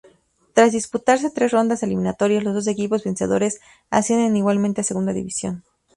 Tras disputarse tres rondas eliminatorias los dos equipos vencedores ascienden igualmente a Segunda División.